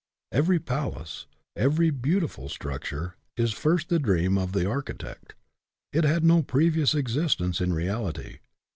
Every palace, every beautiful structure, is first the dream of the architect. It had no previous existence in reality.